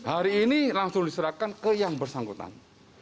hari ini langsung diserahkan ke yang bersangkutan